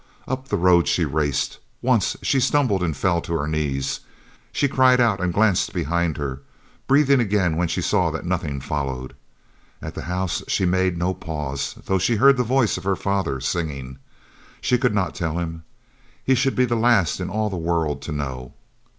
Up the road she raced. Once she stumbled and fell to her knees. She cried out and glanced behind her, breathing again when she saw that nothing followed. At the house she made no pause, though she heard the voice of her father singing. She could not tell him. He should be the last in all the world to know.